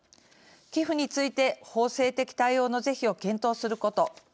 寄付について法制的対応の是非を検討すること。